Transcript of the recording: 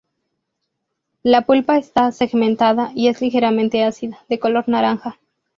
La pulpa está segmentada, y es ligeramente ácida, de color naranja.